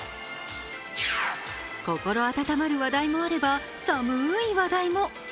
心温まる話題もあれば寒い話題も。